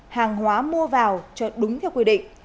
hàng hóa mua vào cho đúng theo quy định